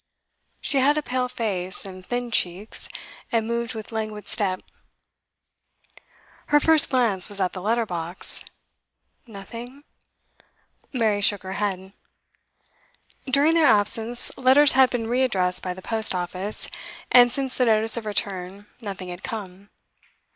She had a pale face, and thin cheeks, and moved with languid step. Her first glance was at the letter box. 'Nothing?' Mary shook her head. During their absence letters had been re addressed by the post office, and since the notice of return nothing had come.